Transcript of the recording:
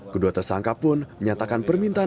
kedua tersangka pun menyatakan permintaan